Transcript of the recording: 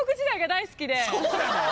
そうなの！？